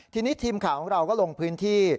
ทีนี้ทีมข่าวของเราก็ลงพื้นที่